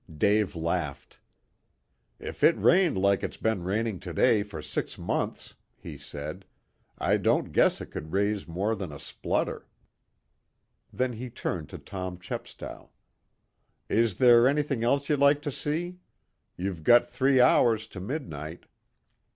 Dave laughed. "If it rained like it's been raining to day for six months," he said, "I don't guess it could raise more than a splutter." Then he turned to Tom Chepstow. "Is there anything else you'd like to see? You've got three hours to midnight."